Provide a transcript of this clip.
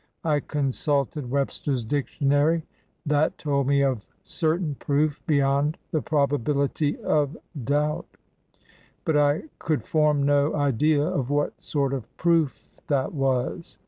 I consulted Webster's dic tionary. That told me of certain proof beyond the probability of doubt, but I could form no idea of what sort of proof that was.